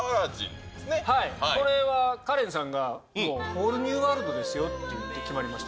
これは、カレンさんがホール・ニュー・ワールドですよって言って決まりました。